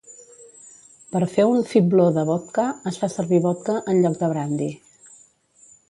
Per fer un "fibló de vodka" es fa servir vodka en lloc de brandi.